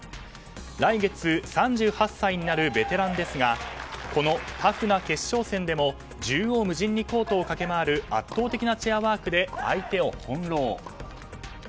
来月、３８歳になるベテランですがこのタフな決勝戦でも縦横無尽にコートを駆け回る圧倒的なチェアワークで相手を翻弄。